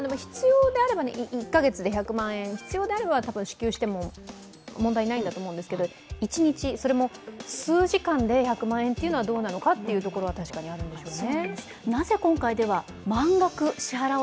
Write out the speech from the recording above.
１カ月で１００万円、必要であれば支給しても問題ないんだと思うんですけれども、１日、それも数時間で１００万円というのはどうなのかというのは確かにあるところですね。